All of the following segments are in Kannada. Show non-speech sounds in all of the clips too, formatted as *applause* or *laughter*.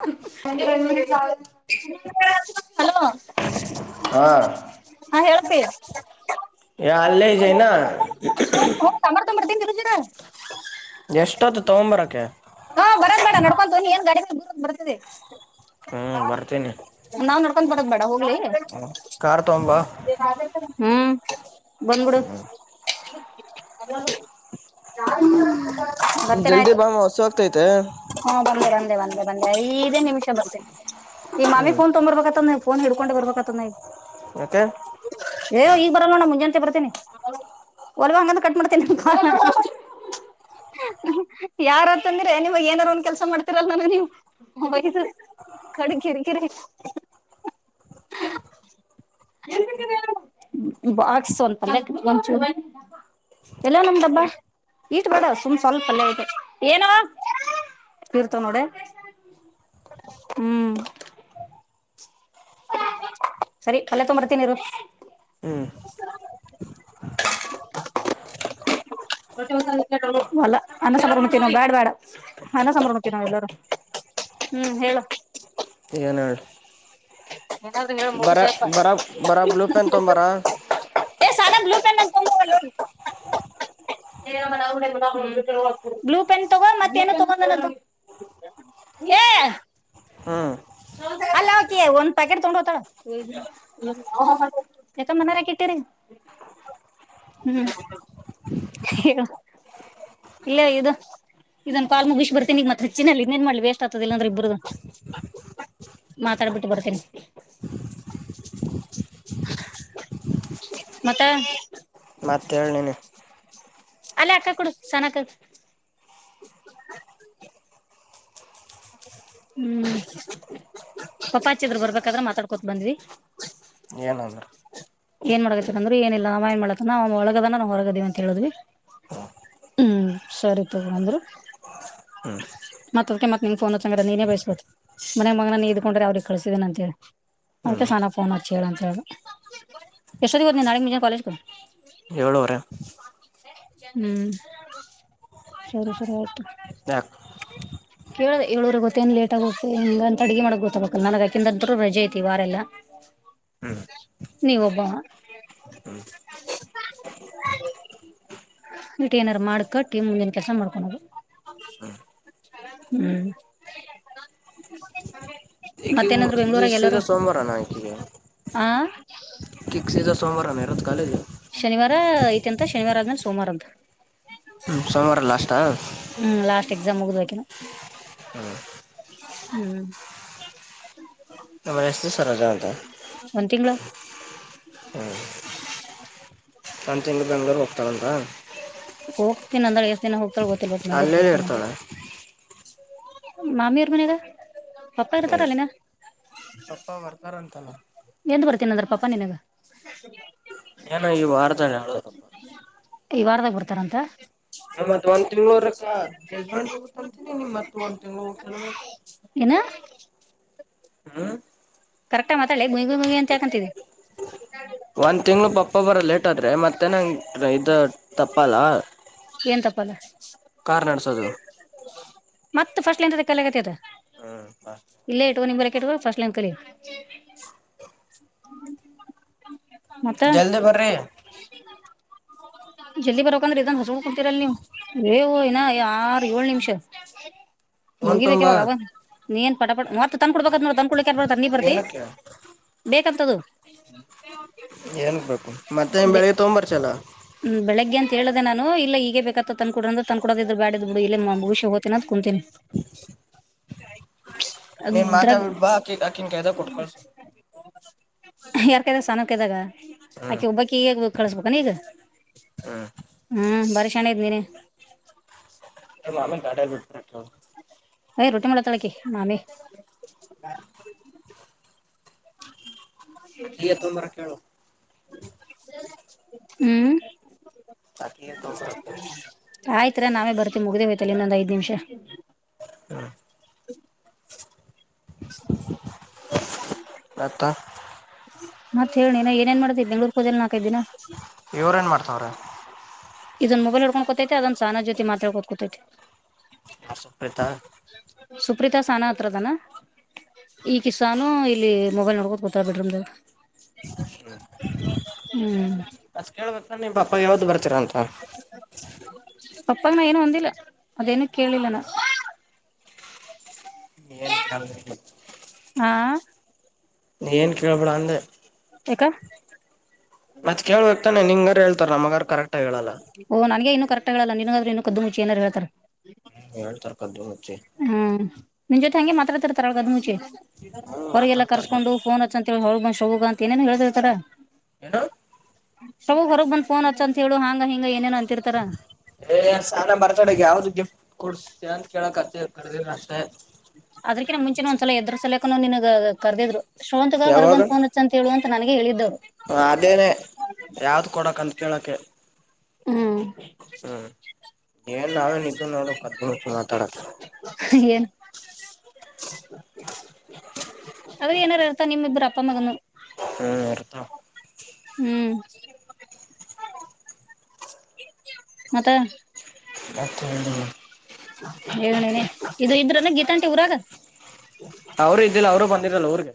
*unintelligible* ಹಲೋ ಹಾ ಹೇಳ್ತೀಯ ಯ ಹಲೇಜ ನ ಹ್ಮ ಟಮಾಟೋ ತೊಂಬರ್ತೀನಿ ಎಷ್ಟೊತ್ತು ತಗೊಂಬರಕ್ಕೆ ಹಾ ಬರದು ಮೇಡ ನಡ್ಕೊ ಏನ್ ಗಾಡಿ ಬರೋದ್ ಬರ್ತದೆ ಹಾಞ ಬರ್ತೀನೆ ನಾವ್ *inaudible* ಹ್ಮ್ ತಗೊಂಬ ಬಂದ್ಡು ಅ ಬರ್ತೇನ ಜಲ್ದಿ ಆಯ್ತು ಬಾ ಮಾಮ ಹಸು ಆಗ್ತೈತೆ ಹಾ ಬಂದೆ ಬಂದೆ ಬಂದೆ ಬನ್ನೆ ಐದೇ ನಿಮಿಷ ಬರ್ತೆ ಈ ಮಾಮಿ ಹ್ಮ್ ಫೋನ್ ತೊಂಬರ್ಬೇಕತ್ತ ನ ಫೋನ್ ಹಿಡ್ಕೊಂಡೆ ಬರ್ಬೇಕತ್ತ ನವು ಇತ್ತೆ ಏ್ ಈಗ ಬರಲ್ವಣ ಮುಂಜಾನಂತೆೆ ಬರ್ತೇನಿ ಹೊಲ್ವ ಹಂಗಂತ ಕಟ್ ಮಾಡ್ತೀನಿ ನಮ ಕ ಯಾರತ್ ಅಂದ್ರೆ ನಿವಾಗ ಏನಾರ ಒಂದ ಕೆಲ್ಸ ಮಾಡ್ತಿರಲ್ ನಾನು ನೀವು ಬಸ ಕಡೆ ಕಿರಿ ಕೆರೆ *unintelligible* ಬಾಗಸುಂತ ಒಂಚೂ ಎಲ್ಲ ನಮ್ದಬ್ಬಾ ಈಟ್ ಮಾಡಡ ಸುಮ್ ಸ್ವಲ್ಪ ಅಲ್ಲೇ ಇದೆ ಏನವ ತೀರ್ತನೋಡೆ ಹ್ಮ್ ಸರಿ ಕಲೆ ತೊಂಬರ್ತೀನಿರು *inaudible* ಹ್ಮ್ ಲ್ಲ ಅನ್ನ ಸಂಭ್ರಮತ ನಾ ಬ್ಯಾಡ ಬೇಡ ಅನ್ನ ಸಂಭ್ರಮ ನಾವ್ ಎಲ್ಲರೂ ಹ್ಮ್ ಹೇಳ ಏನದು ಎ ನಿ ಮುು ಸೇಫ ಸ್ ಬರ *inaudible* ಬರ ಬ್ಲೂ ಪೆನ್ ತೊಂಬಾರ ಬ್ಲೂ ಪೆನ್ ತಗೋ ಮತ್ತ ಏ ತಗೊಂಡ ಹೇಳ ಹ್ಮ್ ಹಲೋ ಒಂದ್ ಪ್ಯಾಕೆಟ್ ತಗೊಂಡ್ ಹೋತಳ ಯಕ ಮನರ ಇಟ್ಟಿರಿ ಹ್ಮ್ ಇಲ್ಲ ಇದು ಇದನ್ ಕಾಲ್ ಮುಗಿಸಿ ಬರ್ತೇ ನೀಗ ಮತ್ತತ್ರ ಹೆೆಚ್ಚಿನಲ್ಲಿ ಇದೇನ್ ಮಾಡ್ಲಿ ವೇಸ್ಟ್ ಆಗ್ತದ ಇಲ್ಲಾಂದ್ರೆ ಇಬರುದು ಮತ್ತ ತಡೆ ಬಿಟ್ಟು ಬಡ್ತನ ಮತ್ತೆ ಮತ್ತೇಳನನೆ ಅಲ್ಲೇ ಅಕ್ಕ ಕೊಡು ಸನ್ನಕ್ಕತ್ ಹ್ಮ್ *unintelligible* ಪಪಾಚ್ಚಿದ್ರ ಬರ್ಬೇಕಾದ್ರೆ ಮಾತಾಡ್ಕೊತ ಬಂದ್ವಿ ಏನಂದ್ರ ಏನ್ ಮಾಡತ್ತಾರಂದ್ರು ಏನಿಲ್ಲ ನಾವ ಏನ್ ಮಾಡತ ಒಳಗದಾನ ನಾವ್ ಹೊರಗದಿವವಿ ಅಂತ ಹೇಳಿದ್ವಿ ಹ್ಮ್ ಸರಿ ತಗ್ರ ಅಂದ್ರು ಮಾತೆ ಅಡುಕಿ ನೀನು ಫೋನ್ ಹಂಚಿದರೆ ತಂಗ್ರ ನೀನ ಬಯಸ್ಬಬೇಕು ಮನ ಮಗನ ನೀ ಇದ್ಕೊಂಡ್ರೆ ಅವ್ರಗ್ ಕಳ್ಸಿದಿನನ ಅಂತ ಹೇಳಿ ಹ್ಮ್ ಅದಕ್ಕೆ ಸಾನ ಫೋನ್ ಹಚ್ಚಿ ಹೇಳ ಅಂಂತೇಳ್ದಿ ಎಷ್ಟೊತ್ತಿಗೆ ಬ ನೀ ನಾಳೆ ಮುಂಜಾನೆ ಕಾಲಜಗೆ ಏಳೂ ವಾರೆ ಹ್ಮ್ ಸರಿ ಸರಿ ಆಯ್ತು ಯಾಕ *inaudible* ಕೇಳದ ಏಳೂರಿಗೆ ಗೊತ್ತ ಏ ಲೇಟ್ ಆಗುತ್ತೆ ಅಡುಗೆ ಮಾಡಕ್ ಗೊತ್ತಾಗಬೇಕಲ್ಲ ನನಗಾಕಂದರು ರಜೆ ಐತಿ ವಾರೆಲ್ಲ ನೀವು ಒಬ್ಬ *inaudible* *inaudible* ಇಟ್ಟ ಏನಾರು ಮಾಡ್ಕ ಟೀಮ್ ಮುಂದಿನ ಕೆಲ್ಸ ಮಾಡ್ಕೊೊಂಡದು ಹ್ಮ್ *unintelligible* ಮತ್ತೆ ಮತ್ತೇನಂದ್ರ ಈಕೀಗ ಬೆಂಗ್ಳೂರಾಗ ಎಲ್ಲರುೂ ಸೀದಾ ಸೋಮವಾರನ ಹ ಕಕ್ಸೀಜ ಸೋಮವಾರ ಇರದು ಕಾಲೇಜ ಶನಿವಾರ ಐತಿ ಅಂತ ಶನಿವಾರ ಆದ್ಮೇಲೆ ಸೋಮವಾರ ಅಂತ ಸೋಮವಾರ ಲಾಸ್ಟ್ ಹಾ ರಾಜ ಮುಗದ ಅಕಿನ ಹ್ಮ ಎಷ್ಟು ಡೇಸ್ ರೋಜಾ ಅಂತ ಒಂದ್ ತಿಂಗ್ಳ ಹ್ಮ ಅಂತಂಗ ಬೆಂಗಳೂರು ಹೋಗ್ತಳಂತ ಇನ್ನ ಅಂದ್ರೆ ಎಷ್ಟ ದಿನ ಹೋಗುತಾಳ ಗೊತ್ತಿ ಇಲ್ಲ ಬಬೇಕ ನಗರ್ಕ ಹೋಗುತ್ತೇನೆ ಅಂದ್ರೆ ಇರ್ತಾಳ ಮಾಮಿಯ್ರ ಮನಾಗ ಪಪ್ಪ ಹ್ಮ್ ಇರ್ತಾರಲ್ಲಿನ ಪಪ್ಪಾ ಬರ್ತಾರಂತಲ್ಲ ಎಂದ ಬರ್ತೀನ ಅದ್ರ ಪಾಪಾ ನಿನಗೆ ಏನೂ ಈ ವಾರತ ಹೇಳದಪ್ಪ ಈ ವಾರದಾಗ ಬರ್ತಾರಂತ *unintelligible* ಮತ್ ಒಂದ್ ತಿಂಗ್ಳ್ರ ಜಜ್ಮೆಂಟ್ ಹೋಗತ್ಂತೀನಿ ನಿಮ್ ಮತ್ ಒಂದ್ ತಿಂಗ್ಳ ಹೋಗ್ಸಲ ಏನ ಹ್ಮ ಕರೆಕ್ಟ್ ಮಾತಾಳಿ *unintelligible* ಅಂತ ಹಾಕಂತಿದಿ ಒಂದು ತಿಂಗಳ ಪಪ್ಪ ಬರ ಲೇಟ್ ಆದ್ರರೆ ಮತ್ತೆ ನಂಗೆ ಇದು ತಪ್ಪಲ್ಲ ಏನ್ ಕಾರ್ ನಡ್ಸೋದು ಮತ್ತ ಫಸ್ಟ್ ಲೈನ್ ಕೆಲ್ಲಗತ್ತ ಅದ ಇಲ್ಲೇ ಇಡೆಕೊ ನಿರಕ್ ಇಏಕೋ ಫಸ್ಟ್ ಲನ್ ಕಲಿ ಮತ್ತ ಜಲ್ದಿ ಭರ್ರಿ ಜಲ್ದಿ ಬರಕಂದ್ರೆ ಇದನ್ ಹಸ ಕುಡ್ತಿೀರಲ್ ನೀವು ಇಏ ಯಾರ ಏಳ ನಿಮಿಷ ಫೋನ್ ತೊಂಬಾ ಮುಗಿಬೇಕಾವಾಗ ನೀನ್ ಪಟ ಪ ಮತ್ತ ತಂದಕೊಡ್ಬೇಕ ನೋ ತಂದಕೊಡ್ಬೇಕ *unintelligible* ನೀಿ ಬರ್ತಿ ಏನಕ್ಕೆ ಬೇಕಂತದು ಏನ್ ಬೇಕು ಮತ್ತೆ್ ಬೆಳಗ್ಗೆ ತ್ಯಾಗೊಡುಬಾರ್ತೀಲವ ಹ್ಮ ಬೆಳಗ್ಗೆ ಅಂತ ಹೇಳೆ ನಾನು ಇಲ್ಲ ಈಗೇ ಬೇಕತ್ತ ತನ್ಕಡ್ರ ತನ್ ಕೊಡೋ ಇದ್ ಬ್ಯಾಡ್ದ ಇೇ ಮುುಷಿ ಹೋ್ಿನನ *unintelligible* ನೀನ್ ಅದುರಾಗ ಮಾತಾಡ್ಬಿಟ್ ಬಾ ಆಕಿ ಆಕಿನ್ ಕೈದಾಗ ಕೊಟ್ ಕಳ್ಸು ಯಾರ್ ಕೈದಾಗ ಸನಾ ಕಾಯ್ದಾಗ ಹ್ಮ್ ಆಕೆ ಒಬ್ಬಕಿ ಈಗ್ ಕಳಸ್ಬೇಕಾನ ಈಗ ಹ್ಮ್ ಹ್ಮ್ ಬಾರಿ ಶಣ ಇದೆ ನೀೀನೆ ಮಾಮ ಗಡ ಬಿಟ್ಟ ಹೋಗು ರೊಟ್ಟಿ ಮುಳತಳಕ್ಕಿ ಮಾಮಿ *inaudible* ಆಕೆಗೆ ತಗೋಬರಕ ಹೇಳು *unintelligible* ಹ್ಮ್ ಆಕಿಗೆ ತೊಂಬರಕ್ ಹೇಳು *unintelligible* ಆಯ್ತರ ನಾವೇ ಬರ್ತೀವಿ ಮುಗ್ದೆ ಹೋಯ್ತಲ್ಲ ಇನ್ನೊಂದ್ ಐದ್ ನಿಮಿಷ ಹ್ಮ್ ಹ ಸ *unintelligible* ಅತ *unintelligible* ಮತ್ತತ್ ಹೇಳಿ ನಾ ಏನೇನ್ ಮಾಡ್ತತಿ ಬ ಬೆಂಳೂರು ಹೋದಲ್ ನಾಕೈದ ದಿನ ಇವ್ರ ಏನ್ ಮಾಡ್ತಾವ್ರೆ ಇದೊನ್ ಮೊಬೈಲ್ ಹೊೋಡ್ಕೊಂಡ್ಕತೈತೆ ಅದೊನ್ ಸಹಾನಜ ಜೊತಿ ಮಾ ಹಾಡ್ಕೋತ್ಕೋತೈತೆ ಸಪ್ರೇತ *unintelligible* ಪ್ರ್ರೀತಾಸ್ ಅಾನ *unintelligible* ಹತ್ರದನಾ ಈ ಕಿಸಾನು ಇಲ್ಲಿ ಮೊಬೈಲ್ ನೋಡ್ಕೋತ್ *unintelligible* ಬಿಡ್ರಮ್ದ ಹ್ಮ್ *inaudible* ಕೇಬೇಕ ನಿ ಪಾ ಯಾವ್ದ ಬರ್ತೀರ ಅಂತ *unintelligible* ಪಪ್ಪನ ಏನು ಹೊಂದಿಲ್ಲ ಅದೇನು ಕೇಳಿಲ್ಲ ನ *inaudible* ಲ್ ರಿ *unintelligible* ಹಾ *inaudible* ನೀ ಏನ್ ಕೇಳ್ಬಿಡ ಅಂದೆ *inaudible* ಯಾಕ ಮತ್ ಕೇಳಬೇಕಕ್ತಾನೆ ನಿಂಗಾರ ಹೇಳ್ತಾರ ನಮಗಾರ್ ಕರೆಕ್ಟ್ ಹೇಳಲ್ಲ ಓ ನನ್ಗೆ ಇನ್ನು ಕರೆಕ್ಟ್ ಹೇಳಲ್ಲ *unintelligible* ನಿಿನಗ್ರೆನ್ ಕದ್ದು ಮುಚ್ಚಿಏನಾರ ಹೇಳ್ತಾರೆ ಹ್ಮ ಹೇಳ್ತಾರೆ ಕದ್ದು ಮುಚ್ಚಿ ನಿನ್ ಜೊತೆ ಹಂಗೆ ಮಾತ್ರಾಡ್ತಿರ್ತಾರ ಕದ್ದು ಮುಂಚೆ ಹ್ಮ ಹೊರಗೆಲ್ಲ ಮಾತಾಡ್ತಾರ ಕರ್ಸ್ಕೊಂಡು ಫೋನ್ ಹತ್ತ ಅಂತಿ ಹ ಶ ಅಂತ ಏನೇನು ಹೇಳ್ತರ್ತರ ಯನ್ನು ಸಬ *unintelligible* ಹೊರ ಬಂದ್ಫೋನ್ ಅಂತ ಹೇಳು ಹಂಗ ಹಿಂಗ ಏನೇನೋ ಅಂತಿರ್ತಾರ ಸಾನ ಬರ್ತಡೇ ಗೆ ಯಾವ್ದು ಗಿಫ್ಟ್ ಅವದು ಂತ ಕೇಳಕ್ತ್ತ ಕದ ಅಷ್ಟೆ *unintelligible* ನಿಿನ ಕರೆದಿದ್ರು ಶ್ರವಂತಗ ಹೊರ ಬಂದ್ಫೋನ್ ಅಂತ ಹೇಳುವ ಅಂತ ನನಗೆ ಹೇಳಿದ್ದವು *unintelligible* ಅದೇನೆೇ ಯಾವ್ದ ಕೊಡಕ್ ಅಂತ ಕೇಳಕ್ಕೆ ಹ್ಮ ಹ್ಮ್ ಏನ್ ನಾವೇನಿದ್ದು ನೋಡು ಕದ್ದ ಮುಚ್ಚಿ ಮಾತಾಡಕ್ಕೆ ಅವ್ರ ಏನಾರು ಇರ್ತ ನಿಮ್ಮ ಇಬ್ರು ಅಪ್ಪ ಮಗನು ಹ್ಮ್ ಇರ್ತವ ಹ್ಮ್ ಮತ್ತೆ ಮತ್ತೇನಿಲ್ಲ ಏನೇ ಇದು ಇದ್ರನ್ನ ಗೀತಂಟಿ ಊರಾಗ ಅವರು ಇದ್ದಿಲ್ಲ ಅವರುೂ ಬಂದಿರಲ್ಲ ಅವ್ರಿಗೆ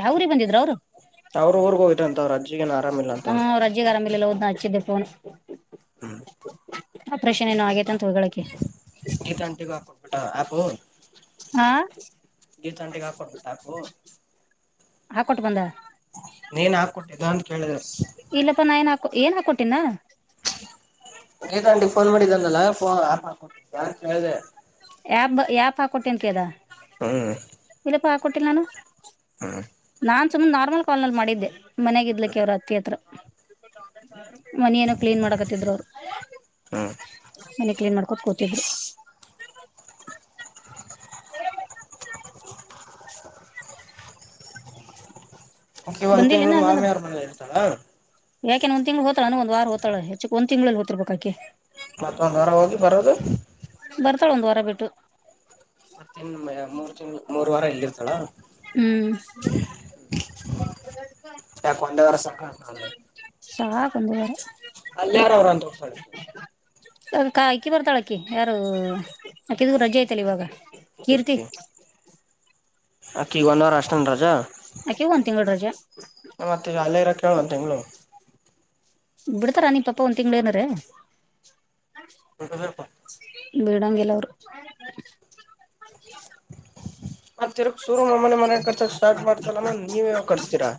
ಯಾವ್ರಿಗೆ ಬಂದಿದ್ರರು ಅವ್ರು ಅವ್ರ ಊರ್ಗ ಹೋಗಾರಂತ ಅವ್ರ ಅಜ್ಜಿಗೇನ್ ಆರಾಮಿಲ್ಲ ಅಂತ ಲ್ಲ *unintelligible* ಹಓದ್ನ ಹಚ್ಚಿದ್ದೆ ಫೋನ್ ಆಪ್ರೇಷನ್ ಏನು ಆಗೇತೆ ಅಂತ ಹಳಕ್ಕೆ ಗೀತ ಆಂಟೆಗ ಅಕೌಂಟ್ ಬ ಆ ಹಾ ಗೀ ತಂಟೆಗಾ *unintelligible* ಕೊ ಹಟಾಕ ಹಾಕ್ಕೊಂಡ್ ಬಂದ ನೀನಾ ಕೊಟ್ಟಿದ್ದು ಇಲ್ಲಪ್ಪಾ ನಾ ಏನ್ ಹಾಕೊ ಏನ್ ಹಾಕೊಟಿನ ಗೀತಾ ಆಂಟಿ ಫೋನ್ ಮಾಡಿದ್ದ ಅನಲ್ಲ ಯಾರ ಕೇಳಿದೆ ಯಪ್ ಯಾಪ್ ಹಾಕೊಟ್ಟೇನ್ ಕದ ಹ್ಮ್ ಕೊಟ್ಟಿಲ್ಲ ನಾನು ಹ್ಮ್ ನಾನ್ ಸುಮನ್ ನಾರ್ಮಲ್ ಕಾಲ್ ನಲ್ಲಿ ಮಾಡಿದ್ದೆ ಮನೆಾಗ ಇದ್ಲಿಕ್ಕೆ ಅವ್ರ ಹತ್ತಿ ಹತ್ರ ಮನ ಏನೋ ಕ್ಲೀನ್ ಮಾಡಕತ್ತಿದ್ರು ಅವ್ರು ಹ್ಮ್ ಮನಿ ಕ್ಲೀನ್ ಮಾಡ ತಕುತಿದ್ರು. *inaudible* *inaudible* ಆಕಿ ಒಂದ್ ಬಂದಿಲೆನ್ ತಿಂಗಳು ಹಂಗಂದ್ರ ಮಾಮಿಯವ್ರ ಮನೇಲಿ ಇರ್ತಾಳ ಯಾಕೆನ್ ಒಂದ್ ತಿಂಗಳ ಹೋತಾರನ ಒಂದ. ವಾರ್ ಹೊತಳ ಹೆಚ್ಚಕ್ ಒಂದ್ ತಿಂಗಳೆಲ್ಲಿ ಹೊತಿರ್ಬೇಕಕೀ. ಮತ್ತೊಂದ್ ವಾರ ಹೋಗಿ ಬರದು. ಬರ್ತಾಳ ಒಂದ್ ವಾರ ಬಿಟ್ಟು. ಮತ್ತಿನ್ *unintelligible* ಮೂರ್ ತಿಂಗಳ ಮೂರ್ ವಾರ ಇಲ್ಲಿರ್ತಾಳ. ಹ್ಮ್ ಯಾಕ ಒಂದೇ ಸಾಕಾತ ಅಲ್ಲೇ ಸಾಕ್ ಒಂದವಾರ. ಅಂತ ಹೋಗ್ತಾಳ ಆಕಿ ಅದಕ್ ಅಕೀ ಬರ್ತಾಳ ಅಕೀ ಯಾರು ಅಕೀದು ರಜೆ ಐತೆಲ್ಲ ಇವಾಗ. ಕೀರ್ತಿ. ಅಕಿಗ ಒನ್ ವಾರ ಅಷ್ಟೇನ್ ರಜಾ. ಅಕೀಗ್ ಒಂದ್ ತಿಂಗಳ ರಜಾ. ಮತ್ತ ಈಗ ಅಲ್ಲೆ ಇರಕ ಹೇಳ್ ಒನ್ ತಿಂಗಳು. ಬಿಡ್ತಾರ ನೀಮ್ ಪಪ್ಪ ಒಂದ ತಿಂಗ್ಳ ಏನರೆ. ಬಿಡ್ಬೇಕು. ಬಿಡಾಂಗಿಲ್ಲ ಅವ್ರು. ಮತ್ತ ತಿರಕ್ ಶುರು ಮಾಮಾನೆ ಮನೆ ಮನೆ ಕಟ್ಸಕ್ ಸ್ಟಾರ್ಟ ಮಾಡ್ತ *unintelligible* ಲ್ಲಮ್ಮ ನೀವ ಯಾವಾಗ್ ಕಟ್ಸ್ತೀರಾ.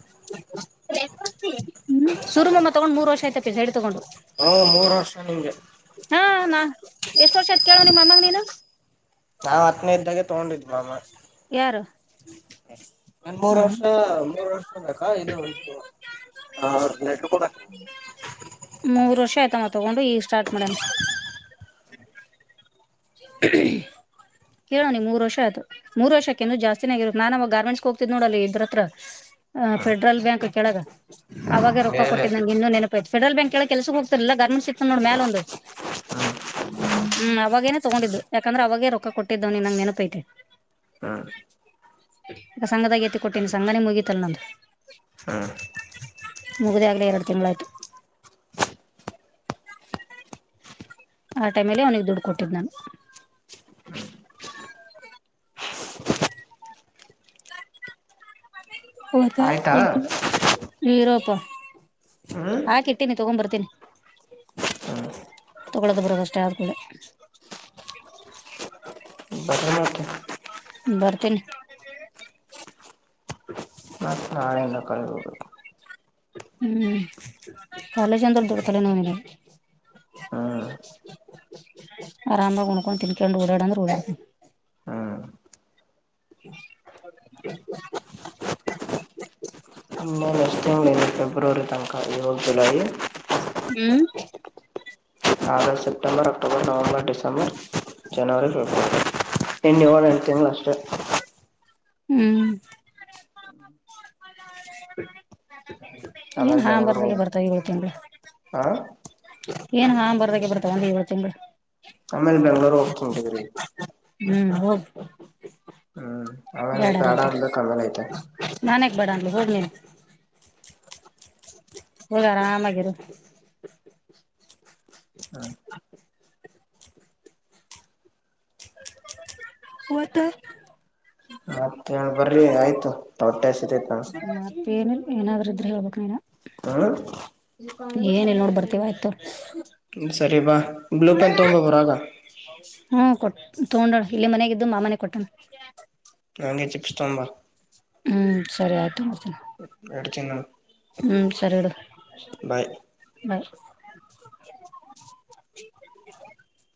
ಹ್ಮ್ ಸುರುಮಮ ತಗೊಂಡ್ ಮೂರ್ ವರ್ಷ ಆಯ್ತಪೀ ಸೈಟ್ ತಗೊಂಡು. ಹ ಮೂರ ವರ್ಷ ಹಂಗೆ. ಹಾ ನಾ ಎಷ್ಟ್ ವರ್ಷ ಆತ್ ಕೇಳೋ ನಿಮ್ಮಮಗ ನೀನು. ನಾ ಹತ್ತನೇ ಇದ್ದಾಗೆ ತಗೊಂಡಿದ್ದ ಮಾಮಾ. ಯಾರು ನನ್ ಮೂರ್ ಹ ವರ್ಷ ಮೂರ್ ವರ್ಷ ಬೇಕಾ ಇದು ಇದು. ಹ ನಲೆಟ್ರ ಕೊೂಡ *unintelligible* ಮೂರ್ ವರ್ಷ ಆಯ್ತ ಅವ ತಗೊಂಡು ಈಗ ಸ್ಟಾರ್ಟ್ ಮಾಡ್ಯ. ನ್ ಕೇಳ ಅವ್ನಿಗ ಮೂರ ವರ್ಷ ಆಯ್ತು ಮೂರ ವರ್ಷಕ್ಕಿನು ಜಾಸ್ತಿನೆ ಆಗಿರಬೇಕ ನಾನ್ ಅವಾಗ ಗಾರ್ಮೆಂಟ್ಸ್ಕ್ ಹೋಗ ತ್ತಿದ್ ನೋಡಲ್ಲಿ ಇದ್ರತ್ರ ಫೆಡ್ರಲ್ ಬ್ಯಾಂಕ್ ಕೆಳಗ ಅವಾಗ ರೊಕ್ಕ ಮೇಲೆ ಕೊಟ್ಟಿದ್ದ್ ನಂಗ ಇನ್ನು ನೆನಪ ತ್ *unintelligible* ಫೆಡ್ರಲ್ ಬ್ಯಾಂಕ್ ಕೆಳಗ ಕೆಲಸ ಹೋಗತೀರ್ಲಿಲ್ಲ ಗಾರ್ಮೆಂಟ್ಸಿತ ನೋಡ ಮ್ಯಾಲ ಒಂದು. ಹ್ಮ್ ಅವಾಗೇನೆ ತೊಗೊಂಡಿದ್ದು ಯಾಕಂದ್ರೆ ಅವಾಗೇ ರೊಕ್ಕ ಕೊಟ್ಟಿದ್ದವನಿಗ್ ನಂಗ್ ನೆನಪ ಐತೆ. *inaudible* ಸಂಘದಾಗ ಎತ್ತ ಕೊಟ್ಟಿನಿ ಸಂಘನೆ ಮುಗೀತಲ್ ನಂದ. ಮುಗ್ದ ಆಗ್ಲೆ ಎರಡ ತಿಂಗಳಾಯ್ತು. ಆ ಟೈಮಲ್ಲೇ ಅವ್ನಿಗ ದುಡ್ಡ ಕೊಟ್ಟಿದ್ ನಾನು. ಹೋತ ಆಯ್ತಾ ನೀರೂಪ. ಹ್ಮ್ ಹಾಕ ಇಟ್ಟನಿ ತಗೊಂಬರ್ತೀನಿ. ಹ್ಮ್ ತಗೊಳ್ಳೋದು ಬರೋದು ಅಷ್ಟೇ ಆದ ಕೂಡ್ಲೇ. ಬಟನವತ್ತ ಹ *unintelligible* ಎಲ್ಲ ಕಳದ ಹೊಬೇಕು. ಹ್ಮ್ ಕಾಲೇಜ್ ಅಂದ್ರ *unintelligible* ದೊಡ್ತಾರೆ ಅವ್ನ ಮೇಲೆ ಹ್ಮ್ *unintelligible* ಆರಾಮಾಗಿ ಉಣಕೊಂಡು ತಿನ್ಕೆಂಡ ಓಡ್ಯಾಡಂದ್ರ ಓಡ್ಯಾತನ್. *inaudible* ಹ್ಮ್ *inaudible* ಫೆಬ್ರುವರಿ ತನಕ ಇ ಹ್ಮ್ August September October November December January February ಇನ್ ಏಳ ಎಂಟ ತಿಂಗಳ ಅಷ್ ಹ *unintelligible* ಹ್ಮ್ ಆಮೇಲೆ ಹಾ, ಬೆಂಗ್ಳೂರ್ ಹೊರಗಡೆ ಹೋಗ್ಬೇಕು ಬರ್ತಾ ಇದೆ ಕ್ಯಾಮೆರಾ? ಹ *unintelligible* ಏನು, ನಾನು ಬರುವಾಗ ತಗೊಂಡು ಬರ್ತೀನಿಬಿಡು. *unintelligible* ಆಮೇಲೆ, ಬೆಂಗಳೂರು ಹೋಗ್ತಾರೆ ಹುಡುಗಿರಿಗೆ? *unintelligible* ಹ್ಮ್, ಹೋಗು. *unintelligible* ಬೇಡ, ಆರಾಮು. *unintelligible* ಎಲ್ಲ ಕಳೆದು ಅಗತ್ಯೇ? *inaudible* ನಾನು ಯಾಕ್, ಬ್ಯಾಡ ಅನ್ಲಿ, ಹೋಗಲಿ? *unintelligible* ಹೂ, ಆರಾಮಾಗಿರು? *unintelligible* ಹ್ಮ ಹೂ, ಮತ್ತೆ. *unintelligible* ಬರಿ, ಆಯ್ತು, ಹೊಟ್ಟೆ ಹಸಿತೈತೇತಾ. *unintelligible* ಮತ್ತೇನಿಲ್ಲ ಏನಾದ್ರೂ ಇದ್ರೆ ಹೇಳ್ಬೇಕಕ್, ನೀನೇ, ಹ್ಮ್ ಏನಿಲ್ಲ ಬರ್ತೀನಿ, ತಾಕೋ? *unintelligible* ಸರಿ, ಬಾ, ಬ್ಲೂ ಪೆನ್ ತೊಗೊಂಡು ಹೋಗೋ, ರಾಗಾ. *unintelligible* ತಗೊಂಡು ಹೋಗು, ಏ, ಮನೇಗಿದ್ದಿದ್ದು ಮಾಮನ, ಕೊಟ್ಟವ್ನೆ. *unintelligible* ಹಂಗೆ ಚಿಪ್ಸ್, ತಗೊಂಡು ಬಾ! *unintelligible* ಹೂ, ಸರಿ ಆಯ್ತು? *unintelligible* ಇಡ್ತೀನಿ ನಾನು ಹೂ, ಸರಿ ಇಡು, ಬಾಯ್ ಬಾಯಿ. *unintelligible* *unintelligible* *inaudible*